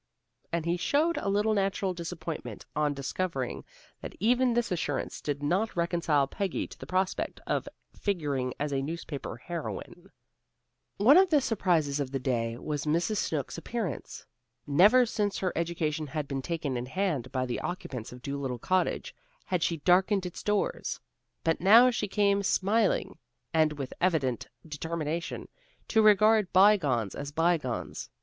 And he showed a little natural disappointment on discovering that even this assurance did not reconcile Peggy to the prospect of figuring as a newspaper heroine. One of the surprises of the day was Mrs. Snooks' appearance. Never since her education had been taken in hand by the occupants of Dolittle Cottage, had she darkened its doors. But now she came smiling, and with an evident determination to regard bygones as bygones.